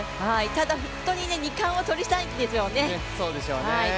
ただ、本当に２冠を取りたいんでしょうね。